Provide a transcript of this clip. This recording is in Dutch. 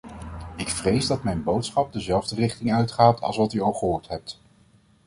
Ik vrees dat mijn boodschap dezelfde richting uitgaat als wat u al gehoord hebt.